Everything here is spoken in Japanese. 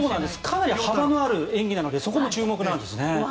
かなり幅のある演技なのでそこも注目なんです。